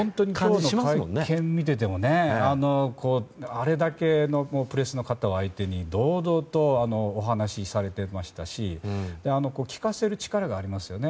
今日の会見を見ててもあれだけのプレスの方を相手に堂々とお話しされていましたし聞かせる力がありますよね。